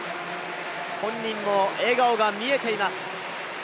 本人も笑顔が見えています。